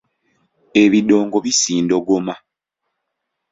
Ebidongo bisindogoma.